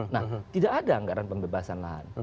nah tidak ada anggaran pembebasan lahan